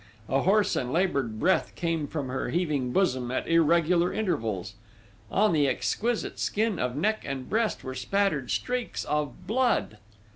A hoarse and laboured breath came from her heaving bosom at irregular intervals: on the exquisite skin of neck and breast were spattered streaks of blood!